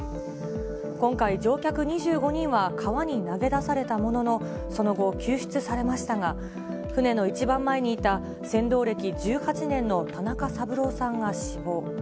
今回、乗客２５人は川に投げ出されたものの、その後、救出されましたが、船の一番前にいた船頭歴１８年の田中三郎さんが死亡。